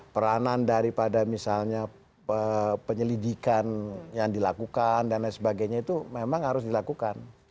peranan daripada misalnya penyelidikan yang dilakukan dan lain sebagainya itu memang harus dilakukan